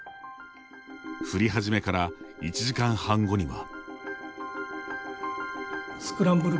降り始めから１時間半後には。